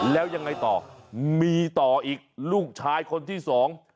แล้วยังไงต่อมีต่ออีกลูกชายคนที่สอง